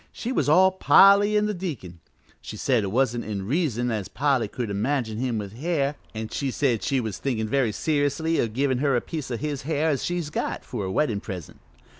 She was all Polly an' the deacon. She said it wa'n't in reason as Polly could imagine him with hair, an' she said she was thinkin' very seriously o' givin' her a piece o' his hair as she's got, for a weddin' present.